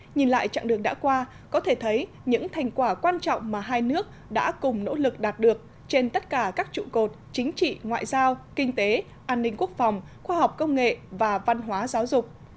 nhìn lại chặng đường đã qua có thể thấy những thành quả quan trọng mà hai nước đã cùng nỗ lực đạt được trên tất cả các trụ cột chính trị ngoại giao kinh tế an ninh quốc phòng khoa học công nghệ và văn hóa giáo dục